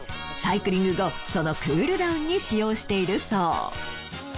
サイクリング後そのクールダウンに使用しているそう。